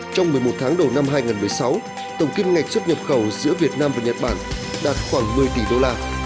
trong một mươi một tháng đầu năm hai nghìn một mươi sáu tổng kim ngạch xuất nhập khẩu giữa việt nam và nhật bản đạt khoảng một mươi tỷ đô la